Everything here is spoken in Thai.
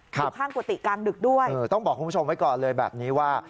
อยู่ข้างกุฏิกลางดึกด้วยต้องบอกคุณผู้ชมไว้ก่อนเลยแบบนี้ว่า